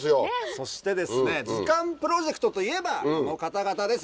そしてですね図鑑プロジェクトといえばこの方々です。